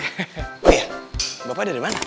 oh iya bapak dari mana